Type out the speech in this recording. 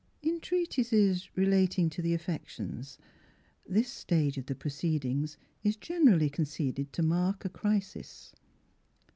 In treatises relating to the affections this stage of the proceedings is gen erally conceded to mark a cri sis.